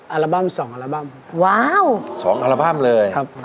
๒อัลบั้มเลย